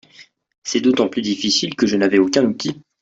C'était d'autant plus difficile que n'avais aucun outil.